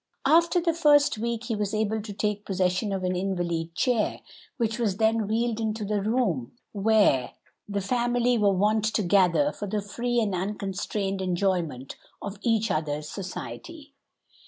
After the first week he was able to take possession of an invalid chair, which was then wheeled into the room where the family were wont to gather for the free and unconstrained enjoyment of each other's society.